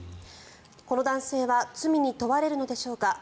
この男性は罪に問われるのでしょうか。